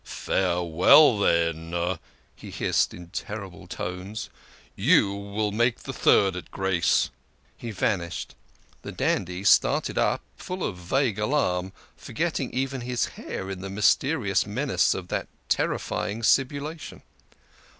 " Farewell, then !" he hissed in terrible tones. " You will make the third at Grace! " He vanished the dandy started up full of vague alarm, 144 THE KING OF SCHNORRERS. forgetting even his hair in the mysterious menace of that terrifying sibilation.